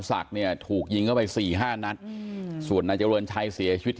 แต่ก็ไม่ทันนะฮะสามีเสียชีวิต